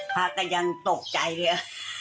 พระก็ยังตกใจเลย